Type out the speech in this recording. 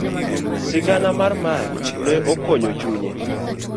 Sigana mar Ma ne okonyo chunye.